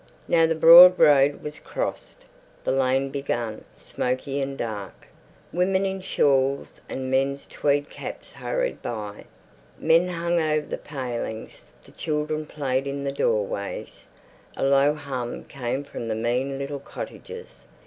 Now the broad road was crossed. The lane began, smoky and dark. Women in shawls and men's tweed caps hurried by. Men hung over the palings; the children played in the doorways. A low hum came from the mean little cottages.